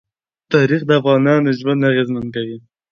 تاریخ د افغانانو ژوند اغېزمن کوي.